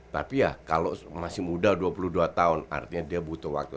tapi ya kalau masih muda dua puluh dua tahun artinya dia butuh waktu